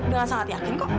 dengan sangat yakin kok